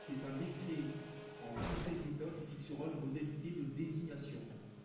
C’est un décret en Conseil d’État qui fixera les modalités de désignation.